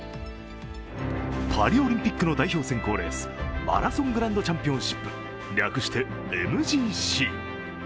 パリオリンピックの代表選考レース、マラソングランドチャンピオンシップ、略してＭＧＣ。